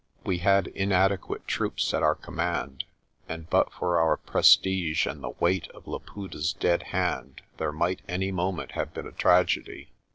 We had inadequate troops at our command, and but for our prestige and the weight of Laputa's dead hand there might any moment have been a tragedy.